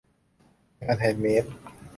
งานแฮนด์เมด